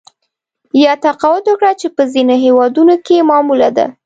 یا تقاعد ورکړه چې په ځینو هېوادونو کې معموله ده